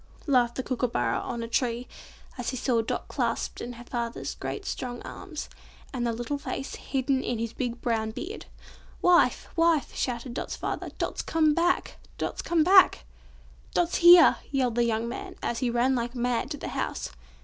laughed a Kookooburra on a tree, as he saw Dot clasped in her father's great strong arms, and the little face hidden in his big brown beard. "Wife! wife!" shouted Dot's father, "Dot's come back! Dot's come back!" "Dot's here!" yelled the young man, as he ran like mad to the house.